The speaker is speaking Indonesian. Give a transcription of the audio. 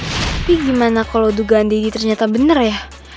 tapi gimana kalau dugaan daddy ternyata bener ya